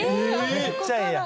めっちゃええやん。